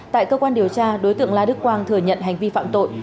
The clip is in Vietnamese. tại cơ quan điều tra đối tượng la đức quang thừa nhận hành vi phạm tội